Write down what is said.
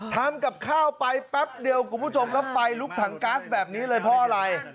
ทำกับข้าวไปแป๊บเดียวคุณผู้ชมครับไฟลุกถังก๊าซแบบนี้เลยเพราะอะไร